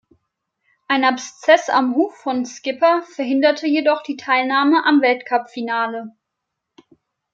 Ein Abszess am Huf von "Skipper" verhinderte jedoch die Teilnahme am Weltcupfinale.